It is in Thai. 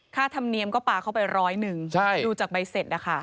ธรรมเนียมก็ปลาเข้าไปร้อยหนึ่งดูจากใบเสร็จนะคะ